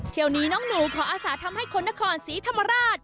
เท่านี้น้องหนูขออาศาสตร์ทำให้คนนครสีธรรมราช